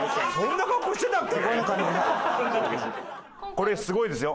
これすごいですよ。